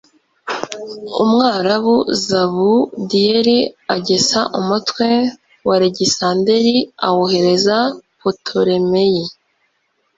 umwarabu zabudiyeli, agesa umutwe w'alegisanderi awoherereza putolemeyi